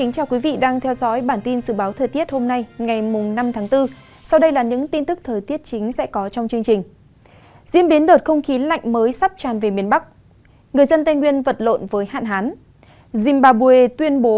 các bạn hãy đăng ký kênh để ủng hộ kênh của chúng mình nhé